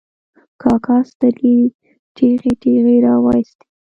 کاکا سترګې ټېغې ټېغې را وایستې.